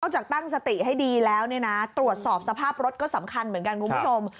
จากตั้งสติให้ดีแล้วตรวจสอบสภาพรถก็สำคัญเหมือนกันคุณผู้ชม